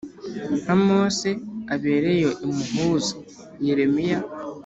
nka Mose abereye umuhuza Yeremiya